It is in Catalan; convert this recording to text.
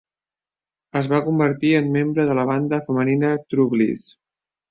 Es va convertir en membre de la banda femenina TrueBliss.